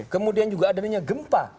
kemudian juga adanya gempa